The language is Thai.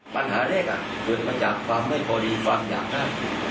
ปัญหาแรกเกิดมาจากความไม่พอดีความอยากนั่ง